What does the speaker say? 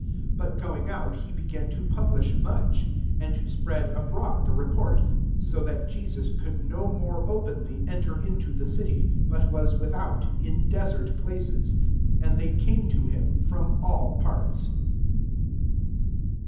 45 But going out, he began to publish much, and to spread abroad the re port; so that Jesus could no more, openly, enter into the city, but was without, in desert places : and they came to him from all parts.